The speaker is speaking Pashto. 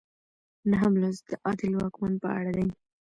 نهم لوست د عادل واکمن په اړه دی.